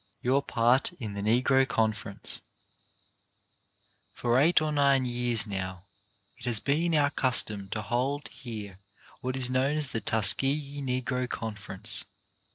YOUR PART IN THE NEGRO CONFERENCE For eight or nine years, now, it has been our custom to hold here what is known as the Tuske gee Negro Conference.